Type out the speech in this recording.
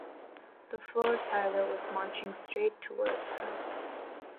The floor tiler was marching straight towards her.